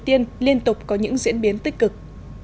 tiên liên tục có những diễn biến tích cực